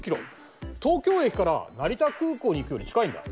東京駅から成田空港に行くより近いんだ。